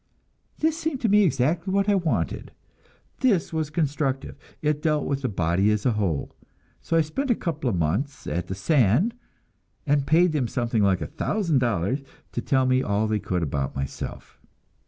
This seemed to me exactly what I wanted; this was constructive, it dealt with the body as a whole. So I spent a couple of months at the "San," and paid them something like a thousand dollars to tell me all they could about myself.